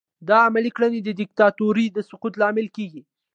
دا عملي کړنې د دیکتاتورۍ د سقوط لامل کیږي.